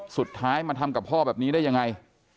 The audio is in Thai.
สุดท้ายมาทำกับพ่อแบบนี้ได้ยังไง